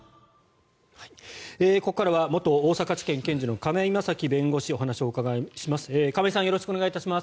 ここからは元大阪地検検事の亀井正貴弁護士お話をお伺いします。